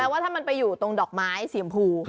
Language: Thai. ว่าถ้ามันไปอยู่ตรงดอกไม้สีชมพู